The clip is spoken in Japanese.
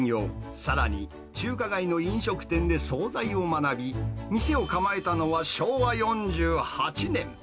さらに中華街の飲食店で総菜を学び、店を構えたのは昭和４８年。